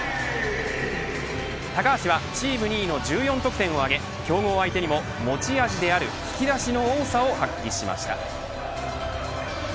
高橋はチーム２位の１４得点を挙げ、強豪相手にも持ち味である引き出しの多さを発揮しました。